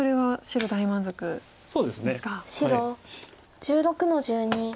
白１６の十二。